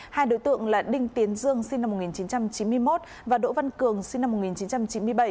hai đối tượng là đinh tiến dương sinh năm một nghìn chín trăm chín mươi một và đỗ văn cường sinh năm một nghìn chín trăm chín mươi bảy